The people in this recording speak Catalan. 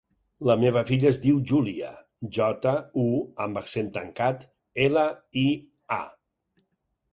La meva filla es diu Júlia: jota, u amb accent tancat, ela, i, a.